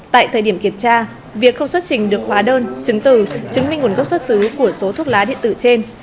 tại thời điểm kiểm tra việt không xuất trình được hóa đơn chứng từ chứng minh nguồn gốc xuất xứ của số thuốc lá điện tử trên